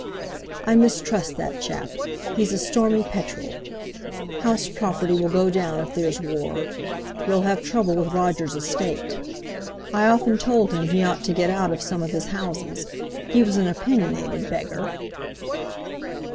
"I mistrust that chap; he's a stormy petrel. House property will go down if there's war. You'll have trouble with Roger's estate. I often told him he ought to get out of some of his houses. He was an opinionated beggar."